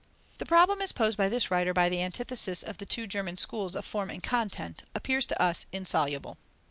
The problem as posed by this writer by the antithesis of the two German schools of form and content, appears to us insoluble.